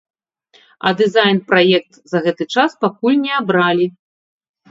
А дызайн-праект за гэты час пакуль не абралі.